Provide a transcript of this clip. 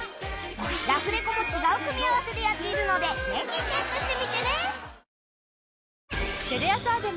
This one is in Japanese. ラフレコも違う組み合わせでやっているのでぜひチェックしてみてね